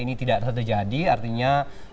ini tidak terjadi artinya